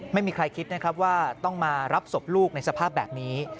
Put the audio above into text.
ไม่มีใครคิดนะครับว่าต้องมารับศพลูกในสภาพแบบนี้